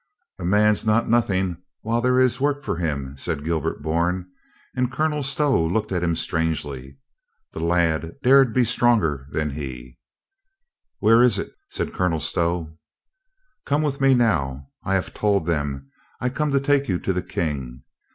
"A man's not nothing while there Is work for 364 COLONEL GREATHEART him," said Gilbert Bourne, and Colonel Stow looked at him strangely. The lad dared be stronger than he. "Where is it?" said Colonel Stow. "Come with me now. I have told them I come to take you to the King.